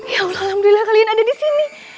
ya allah alhamdulillah kalian ada disini